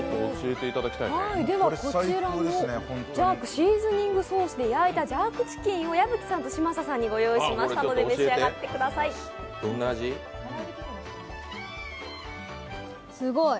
こちらのジャークシーズニングソースで焼いたジャークチキンを矢吹さんと嶋佐さんに御用意しましたので、召し上がってください。